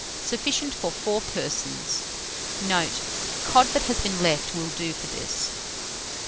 Sufficient for 4 persons. Note. Cod that has been left will do for this.